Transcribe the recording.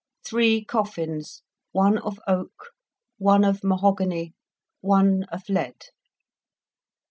Three coffins, one of oak, one of mahogany, one of lead.